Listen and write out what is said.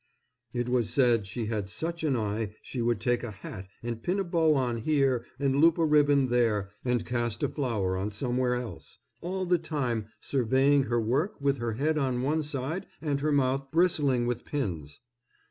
It was said she had such an eye; she would take a hat and pin a bow on here, and loop a ribbon there, and cast a flower on somewhere else, all the time surveying her work with her head on one side and her mouth bristling with pins.